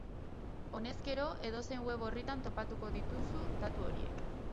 Honezkero, edozein web orritan topatuko dituzu datu horiek.